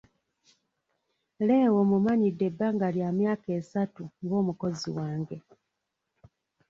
Leo mumanyidde ebbanga lya myaka esatu ng'omukozi wange.